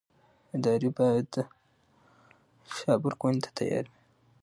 ادارې باید حساب ورکونې ته تیار وي